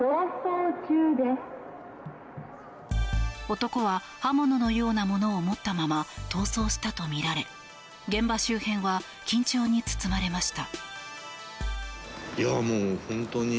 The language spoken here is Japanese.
男は刃物のようなものを持ったまま逃走したとみられ現場周辺は緊張に包まれました。